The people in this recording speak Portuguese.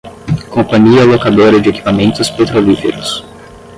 Companhia Locadora de Equipamentos Petrolíferos